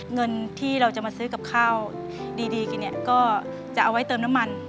เงินที่เราจะมาซื้อกับข้าวดีกินเนี่ยก็จะเอาไว้เติมน้ำมัน